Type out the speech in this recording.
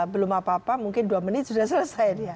belum apa apa mungkin dua menit sudah selesai dia